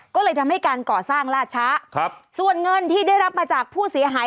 ก็เลยทำให้การก่อสร้างลาดช้าครับส่วนเงินที่ได้รับมาจากผู้เสียหาย